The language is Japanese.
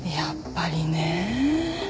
やっぱりね。